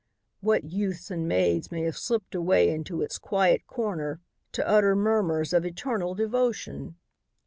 What youths and maids may have slipped away into its quiet corner to utter murmurs of eternal devotion?